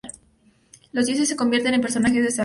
Los dioses se convierten en personajes de sainete.